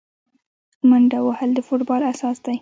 منډه وهل د فوټبال اساس دی.